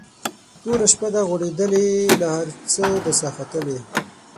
توره شپه ده غوړېدلې له هر څه ده ساه ختلې